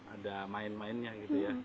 ada main mainnya gitu ya